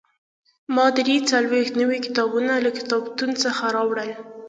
ما درې څلوېښت نوي کتابونه له کتابتون څخه راوړل.